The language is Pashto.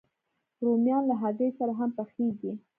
رومیان له هګۍ سره هم پخېږي